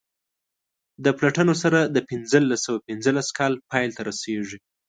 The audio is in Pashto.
د پلټنو سر د پنځلس سوه پنځلس کال پیل ته رسیږي.